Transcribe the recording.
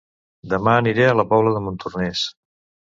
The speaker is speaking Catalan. Dema aniré a La Pobla de Montornès